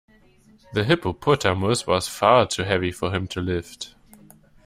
The hippopotamus was far too heavy for him to lift.